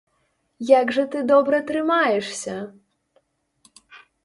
Як жа ты добра трымаешся!